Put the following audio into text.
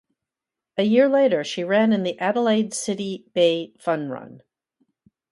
A year later she ran in the Adelaide City Bay Fun Run.